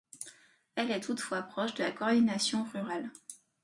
Elle est toutefois proche de la coordination rurale.